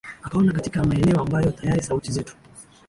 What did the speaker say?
akaona katika maeneo ambayo tayari sauti zetu